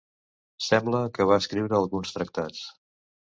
Sembla que va escriure alguns tractats.